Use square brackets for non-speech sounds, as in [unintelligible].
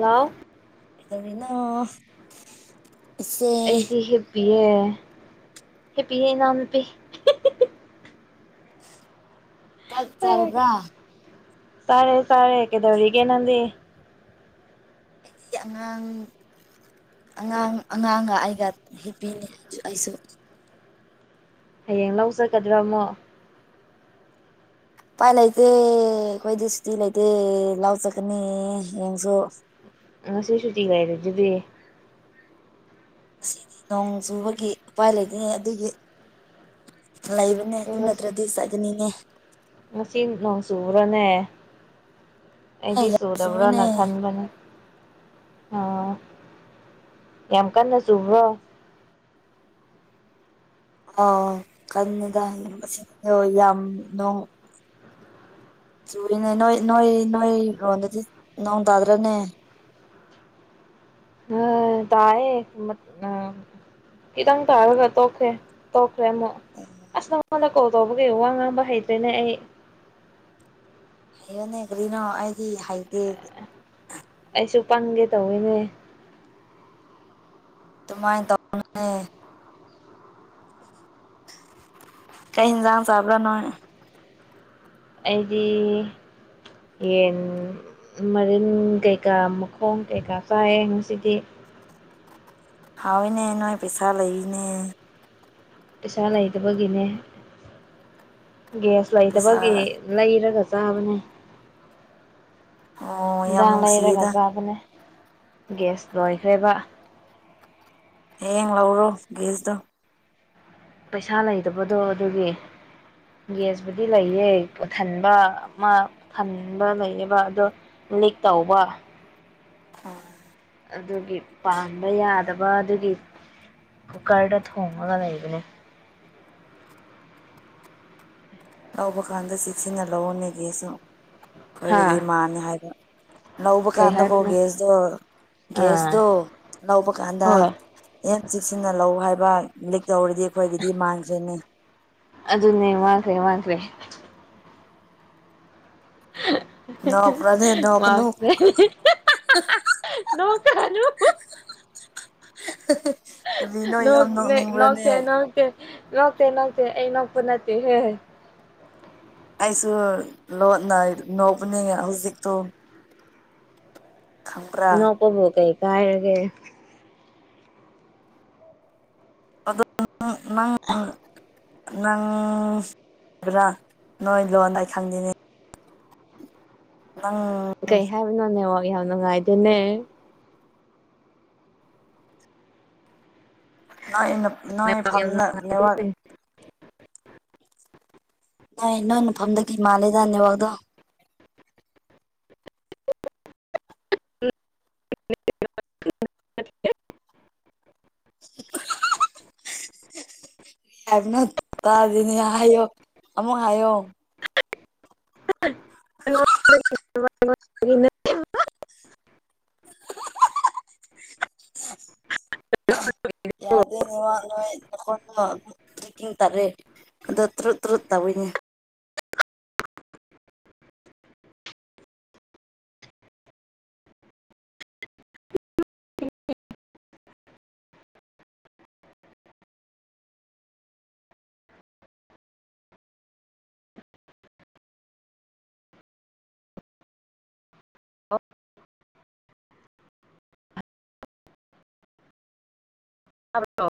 hello ꯀꯩꯗꯧꯔꯤꯅ‌ꯣ ꯑꯩꯗꯤ ꯍꯤꯞꯄꯤꯌꯦ ꯍꯤꯞꯄꯤꯌꯦ ꯏꯅꯥꯎꯅꯨꯄꯤ ꯆꯥꯛ ꯍꯦꯛ ꯆꯔꯕ꯭ꯔꯥ ꯆꯥꯔꯦ ꯆꯥꯔꯦ ꯀꯩꯗꯧꯔꯤꯒꯦ ꯅꯪꯗꯤ ꯑꯉꯥꯡ ꯑꯉꯥꯡ ꯑꯉꯥꯡꯒ ꯑꯩꯒ ꯍꯦꯞꯄꯤꯅꯤ ꯑꯩꯁꯨ ꯍꯌꯦꯡ ꯂꯧ ꯆꯠꯒꯗꯔꯥ ꯑꯃꯨꯛ ꯎꯄꯥꯏ ꯂꯩꯇꯦ ꯑꯩꯈꯣꯏꯗꯤ ꯁꯨꯇꯤ ꯂꯩꯇꯦ ꯂꯥꯎ ꯆꯠꯀꯅꯤ ꯍꯌꯦꯡꯁꯨ ꯉꯁꯤ ꯁꯨꯇꯤ ꯂꯩꯔꯤꯗꯨꯗꯤ ꯃꯁꯤ ꯅꯣꯡ ꯆꯨꯕꯒꯤ ꯎꯄꯥꯏ ꯂꯩꯇꯦꯅꯦ ꯑꯗꯨꯒꯤ ꯂꯩ ꯅꯦ ꯑꯗꯨ ꯅꯠꯇ꯭ꯔꯗꯤ ꯆꯠꯒꯅꯤꯅꯦ ꯉꯁꯤ ꯅꯣꯡ ꯆꯨꯕ꯭ꯔꯥꯅꯦ ꯑꯦ ꯑꯩꯗꯤ ꯌꯥꯝ ꯆꯨꯏꯅꯦ ꯁꯨꯗꯕ꯭ꯔꯥꯅ ꯈꯟꯕꯅꯦ ꯑꯣ ꯌꯥꯝ ꯀꯟꯅ ꯆꯨꯕ꯭ꯔꯣ ꯑ‌ꯣ ꯀꯟꯅꯤꯗ ꯃꯆꯤꯟꯗ‌ꯣ ꯌꯥꯝ‌ ꯅ‌ꯣꯗꯗꯑꯡ ꯆꯨꯔꯤꯅꯦ ꯅꯣꯏ ꯅꯣꯏ ꯅꯣꯏ ꯂꯣꯟꯗꯗꯤ ꯅꯣꯡ ꯇꯥꯗ꯭ꯔꯅꯦ ꯎꯝ ꯇꯥꯏꯃꯦ ꯃ ꯑꯥ ꯈꯤꯇꯪ ꯇꯥꯔꯒ ꯇꯣꯛꯈ꯭ꯔꯦ ꯇꯣꯛꯈ꯭ꯔꯦ ꯑꯃꯨꯛ ꯎꯝ ꯑꯁ ꯅꯪꯉꯣꯟꯗ ꯀꯣꯜ ꯇꯧꯕꯒꯤ ꯋꯥ ꯉꯥꯡꯕ ꯍꯩꯇ꯭ꯔꯦꯅꯦ ꯑꯩ ꯍꯌꯣꯏꯅꯦ ꯀꯔꯤꯅꯣ ꯑꯩꯗꯤ ꯍꯩꯇꯦ ꯑꯩꯁꯨ ꯄꯪꯒꯦ ꯇꯧꯋꯤꯅꯦ ꯑꯗꯨꯃꯥꯏꯅ ꯇꯧꯅꯨꯅꯦ ꯀꯩ ꯍꯤꯟꯖꯥꯡ ꯆꯥꯕ꯭ꯔꯥ ꯅꯣꯏ ꯑꯩꯗꯤ ꯌꯦꯟ ꯃꯔꯤꯟ ꯀꯩꯀꯥ ꯃꯈꯣꯡ ꯀꯩꯀꯥ ꯆꯥꯏꯌꯦ ꯉꯁꯤꯗꯤ ꯍꯥꯎꯋꯤꯅꯦ ꯅꯣꯏ ꯄꯩꯁꯥ ꯂꯩꯅꯦ ꯄꯩꯁꯥ ꯂꯩꯇꯕꯒꯤꯅꯦ ꯒ꯭ꯌꯥꯁ ꯄꯩꯁꯥ ꯂꯩꯇꯕꯒꯤ ꯂꯩꯔꯒ ꯆꯥꯕꯅꯦ ꯑꯣ ꯌꯥꯝ ꯏꯟꯖꯥꯡ ꯂꯩꯔꯒ ꯅꯨꯡꯁꯤꯌꯦꯗ ꯆꯥꯕꯅꯦ ꯒ꯭ꯌꯥꯁ ꯂꯣꯏꯈ꯭ꯔꯦꯕ ꯍꯌꯦꯡ ꯂꯧꯔꯣ ꯒꯦꯁꯇꯣ ꯄꯩꯁꯥ ꯂꯩꯇꯕꯗꯣ ꯑꯗꯨꯒꯤ ꯒꯦꯁꯕꯨꯨꯗꯤ ꯂꯩꯌꯦ ꯄꯣꯊꯟꯕ ꯑꯃ ꯊꯟꯕ ꯂꯩꯌꯦꯕ ꯑꯗꯣ ꯂꯤꯛ ꯇꯧꯕ ꯑꯝ ꯑꯗꯨꯒꯤ ꯄꯥꯟꯕ ꯌꯥꯗꯕ ꯑꯗꯨꯒꯤ ꯀꯨꯀꯔꯗ ꯊꯣꯡꯉꯒ ꯂꯩꯕꯅꯤ ꯂꯧꯕ ꯀꯥꯟꯗ ꯆꯦꯛꯁꯤꯟꯅ ꯂꯧꯑꯣꯅꯦ ꯍꯥ ꯑꯩꯈꯣꯏꯒꯤꯗꯤ ꯃꯥꯟꯅꯤ ꯍꯥꯏꯕ ꯂꯧꯕ ꯀꯩ ꯀꯥꯟꯗꯀꯣ ꯍꯥꯏꯕꯅꯣ ꯒꯦꯁꯗꯣ ꯑꯥ ꯒꯦꯁꯗꯣ ꯂꯧꯕ ꯀꯥꯟꯗ ꯍꯣꯏ ꯌꯥꯝ ꯆꯦꯛꯁꯤꯟꯅ ꯂꯧ ꯍꯥꯏꯕ ꯂꯤꯛ ꯇꯧꯔꯗꯤ ꯑꯩꯈꯣꯏꯒꯤꯗꯤ ꯃꯥꯡꯈ꯭ꯔꯦꯅꯦ ꯑꯗꯨꯅꯦ ꯃꯥꯡꯈ꯭ꯔꯦ ꯃꯥꯡꯈ꯭ꯔꯦ ꯅꯣꯛꯄ꯭ꯔꯅꯦ ꯅꯣꯛꯀꯅꯨ ꯃꯥꯡꯈ꯭ꯔꯦ ꯅꯣꯛꯒꯅꯨ ꯀꯔꯤꯅꯣ ꯌꯥꯝ ꯅꯣꯛꯇꯦ ꯅꯣꯛꯅꯤꯡꯕ꯭ꯔꯅꯦ ꯅꯣꯛꯇꯦ ꯅꯣꯛꯇꯦ ꯅꯣꯛꯇꯦ ꯑꯩ ꯅꯣꯛꯄ ꯅꯠꯇꯦ ꯍꯦ ꯑꯩꯁꯨ ꯂꯣꯟꯅ ꯅꯣꯛꯄꯅꯦ ꯍꯧꯖꯤꯛꯛꯇꯣ ꯅꯣꯛꯄꯕꯨ ꯀꯩ ꯀꯥꯏꯔꯒꯦ ꯑꯗꯣ ꯅꯪ ꯅꯪ ꯕ꯭ꯔꯥ ꯅꯣꯏ ꯂꯣꯟꯗ ꯑꯩ ꯈꯪꯉꯤꯅꯦ ꯅꯪ ꯀꯩ ꯍꯥꯏꯕꯅꯣ ꯅꯦꯠꯋꯥꯛ ꯌꯥꯝ ꯅꯨꯡꯉꯥꯏꯗꯦꯅꯦ ꯅꯣꯏ ꯅꯣꯏ ꯅꯦꯠꯋꯥꯛ ꯌꯥꯝ ꯐꯝꯗ ꯅꯦꯠꯋꯥꯛ ꯅꯣꯢ ꯅꯣꯢ ꯃꯐꯝꯗꯒꯤ ꯃꯥꯜꯂꯦꯗ ꯅꯦꯠꯋꯥꯛꯗꯣ [unintelligible] ꯎ [unintelligible] ꯀꯩ ꯍꯥꯢꯕꯅꯣ ꯇꯥꯗ꯭ꯔꯦ ꯑꯃꯨꯛꯒ ꯍꯥꯏꯋꯣ [unintelligible] ꯌꯥꯗꯦ ꯅꯦꯠꯋꯥꯛ ꯅꯣꯢ ꯅꯈꯣꯟꯗꯣ [unintelligible] [unintelligible] ꯇꯧꯋꯤꯅꯦ ꯑꯣꯐ [unintelligible] ꯇꯥꯕ꯭ꯔꯣ